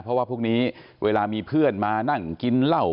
เพราะว่าพวกนี้เวลามีเพื่อนมานั่งกินเหล้า